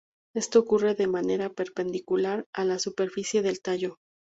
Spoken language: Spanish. Esto ocurre de manera perpendicular a la superficie del tallo.